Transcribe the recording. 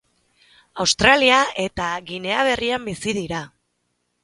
Australia eta Ginea Berrian bizi dira.